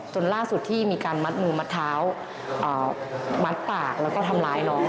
จนล่าสุดที่มีการมัดมือมัดเท้ามัดปากแล้วก็ทำร้ายน้อง